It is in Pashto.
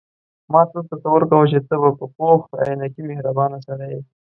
ما تل تصور کاوه چې ته به یو پوخ عینکي مهربانه سړی یې.